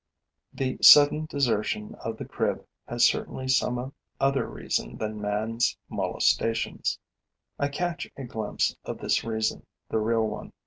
The sudden desertion of the crib has certainly some other reason than man's molestations. I catch a glimpse of this reason, the real one.